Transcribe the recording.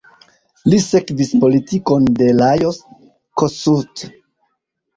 Li sekvis politikon de Lajos Kossuth.